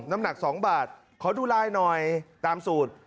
น้ำหนัก๒บาทขอดูไลน์หน่อยตามสูตร